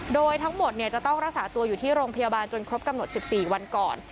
โดยทั้งหมดจะต้องรักษาตัวอยู่ที่โรงพยาบาลจนครบกำหนด๑๔วันก่อน